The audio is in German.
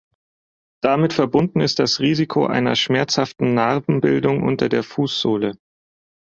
Damit verbunden ist das Risiko einer schmerzhaften Narbenbildung unter der Fußsohle.